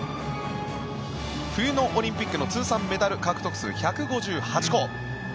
冬のオリンピックの通算メダル獲得数１５８個。